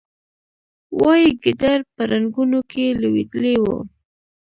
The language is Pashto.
وایي ګیدړ په رنګونو کې لوېدلی و.